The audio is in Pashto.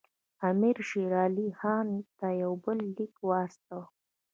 امیر شېر علي خان ته یو بل لیک واستاوه.